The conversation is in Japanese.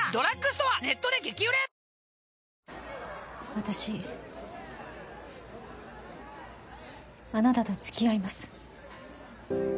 私あなたと付き合います